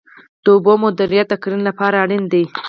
د اوبو مدیریت د کرنې لپاره اړین دی